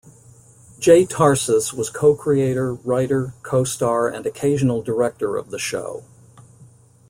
Jay Tarses was co-creator, writer, co-star and occasional director of the show.